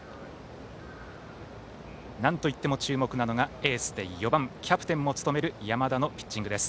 なんといっても注目なのがエースで４番キャプテンも務める山田のピッチングです。